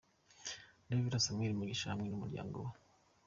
Rev Samuel Mugisha hamwe n'umuryango we.